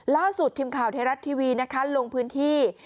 ล่าสุดทีมข่าวไทยรัฐทีวีนะคะลงพื้นที่